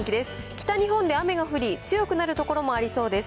北日本で雨が降り、強くなる所もありそうです。